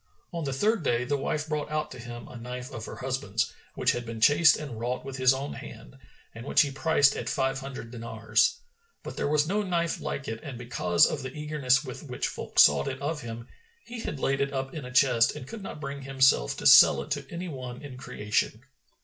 On the third day the wife brought out to him a knife of her husband's, which he had chased and wrought with his own hand, and which he priced at five hundred dinars. But there was no knife like it and because of the eagerness with which folk sought it of him, he had laid it up in a chest and could not bring himself to sell it to any one in creation.